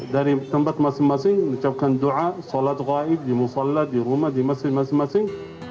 dari tempat masing masing mencapkan doa solat gaib di musallat di rumah di masing masing